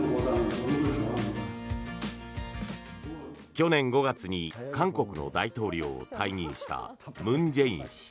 去年５月に韓国の大統領を退任した文在寅氏。